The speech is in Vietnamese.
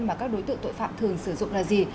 mà các đối tượng tội phạm thường sử dụng là gì